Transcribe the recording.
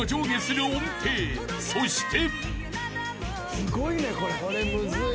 ［そして］